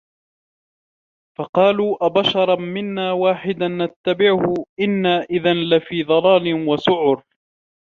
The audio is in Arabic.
فَقالوا أَبَشَرًا مِنّا واحِدًا نَتَّبِعُهُ إِنّا إِذًا لَفي ضَلالٍ وَسُعُرٍ